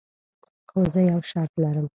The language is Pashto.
خو زه یو شرط لرم.